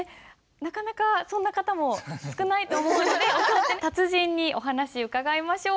なかなかそんな方も少ないと思うので達人にお話伺いましょう。